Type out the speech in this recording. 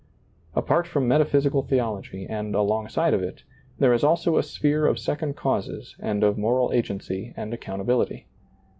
Apart from metaphysical theology and alongside of it, there is also a sphere of second causes and of moral agency and ac countability.